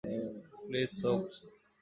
Please, সোকস।